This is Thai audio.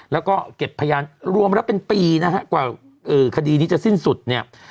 แล้วก็เก็บพยานรวมแล้วเป็นปีนะฮะกว่าคดีนี้จะสิ้นสุดเนี่ย